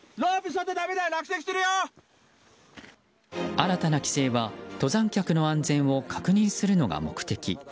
新たな規制は登山客の安全を確認するのが目的。